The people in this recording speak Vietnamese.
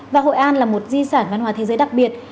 và hội an là một di sản văn hóa thế giới đặc biệt